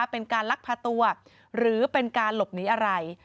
เป็นการลักพาตัวหรือเป็นการหลบหนีอะไร